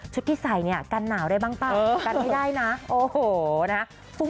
ที่ใส่เนี่ยกันหนาวได้บ้างเปล่ากันไม่ได้นะโอ้โหนะฮะ